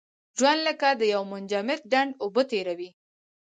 ژوند لکه د یو منجمد ډنډ اوبه تېروي.